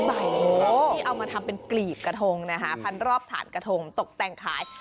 ที่เอามาทำเป็นกลีบกระทงนะคะพันรอบฐานกระทงตกแต่งขาย